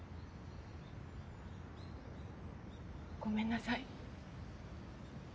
ごめんなさい。